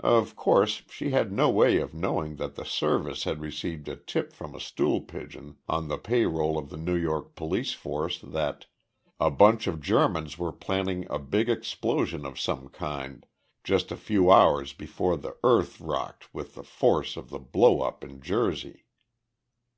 Of course, she had no way of knowing that the Service had received a tip from a stool pigeon on the pay roll of the New York police force that "a bunch of Germans were planning a big explosion of some kind" just a few hours before the earth rocked with the force of the blow up in Jersey.